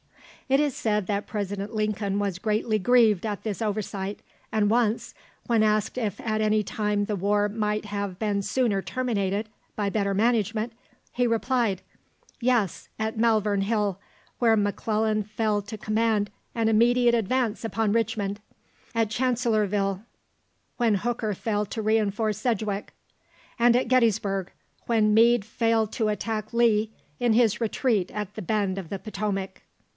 It is said that President Lincoln was greatly grieved at this oversight, and once, when asked if at any time the war might have been sooner terminated by better management, he replied, "Yes, at Malvern Hill, where M'Clellan failed to command an immediate advance upon Richmond; at Chancellorsville, when Hooker failed to reinforce Sedgwick; and at Gettysburg, when Meade failed to attack Lee in his retreat at the bend of the Potomac."